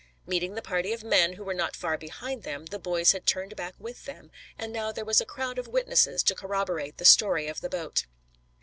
Meeting the party of men, who were not far behind them, the boys had turned back with them, and now there was a crowd of witnesses to corroborate the story of the boat.